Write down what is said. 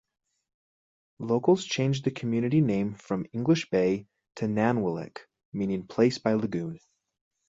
Locals changed the community name from English Bay to Nanwalek, meaning place by lagoon.